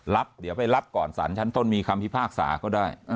รับเดี๋ยวไปรับก่อนสารชั้นต้นมีคำพิพากษาก็ได้